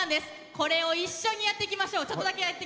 これを一緒にやっていきましょう。